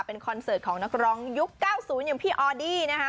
เป็นคอนเสิร์ตของนักร้องยุค๙๐อย่างพี่ออดี้นะคะ